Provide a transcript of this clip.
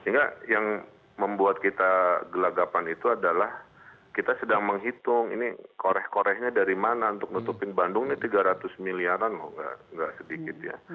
sehingga yang membuat kita gelagapan itu adalah kita sedang menghitung ini koreh korehnya dari mana untuk nutupin bandung ini tiga ratus miliaran nggak sedikit ya